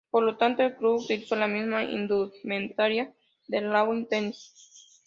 Por lo tanto el club utilizó la misma indumentaria del Lawn Tennis.